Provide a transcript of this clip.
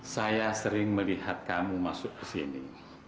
saya sering melihat kamu masuk ke sini